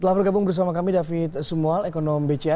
telah bergabung bersama kami david sumual ekonom bca